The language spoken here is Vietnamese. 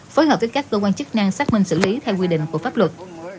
phối hợp với các cơ quan chức năng xác minh xử lý theo quy định của pháp luật